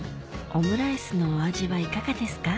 オムライスのお味はいかがですか？